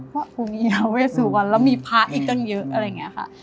เพราะกูมีนาเวสุกวันแล้วมีพระอีกตั้งเยอะอะไรอย่างนี้ค่ะ